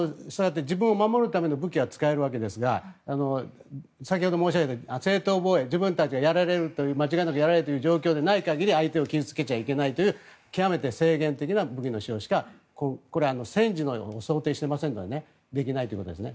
自分を守るための武器は使えるわけですが先ほど申し上げた正当防衛自分たちが間違いなくやられるという状況でない限り相手を傷付けちゃいけないという極めて制限的な武器の使用しかこれは戦時を想定していませんのでできないということですね。